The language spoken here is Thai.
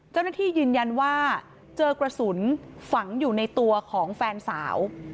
เจ้าหน้าที่ยืนยันว่าเจอกระสุนฝังอยู่ในตัวของแฟนสาว